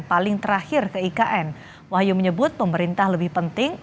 paling terakhir ke ikn wahyu menyebut pemerintah lebih penting